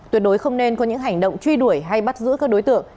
tuyệt đối không nên có những hành động truy đuổi hay bắt giữ các đối tượng